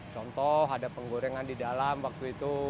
contoh ada penggorengan di dalam waktu itu